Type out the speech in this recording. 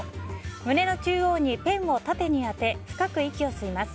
胸の中央にペンを縦に当て深く息を吸います。